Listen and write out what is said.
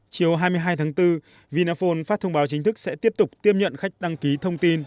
chiều hai mươi hai tháng bốn vinaphone phát thông báo chính thức sẽ tiếp tục tiêm nhận khách đăng ký thông tin